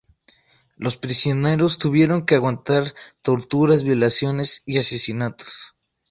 Los prisioneros tuvieron que aguantar torturas, violaciones y asesinatos.